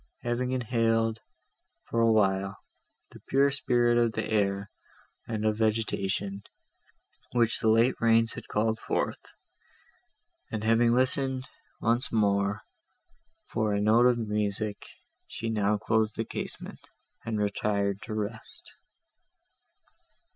Having inhaled, for a while, the pure spirit of the air, and of vegetation, which the late rains had called forth; and having listened, once more, for a note of music, she now closed the casement, and retired to rest.